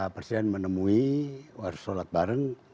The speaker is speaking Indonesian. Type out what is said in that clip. presiden menemui harus sholat bareng